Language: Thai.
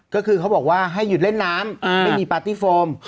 ก็คือเขาบอกว่าให้หยุดเล่นน้ำไม่มีปาร์ตี้โฟม